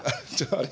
あれ？